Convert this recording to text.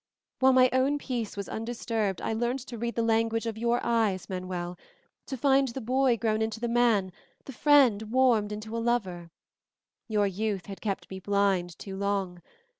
While my own peace was undisturbed, I learned to read the language of your eyes, Manuel, to find the boy grown into the man, the friend warmed into a lover. Your youth had kept me blind too long.